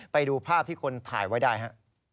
ไปดูภาพที่คนถ่ายไว้ได้ฮะ